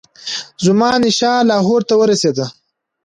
زمانشاه لاهور ته ورسېدی.